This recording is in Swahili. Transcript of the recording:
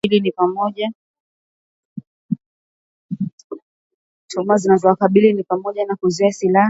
Tuhuma zinazowakabili ni pamoja na kuuza silaha kwa kundi la wanamgambo huko kaskazini mashariki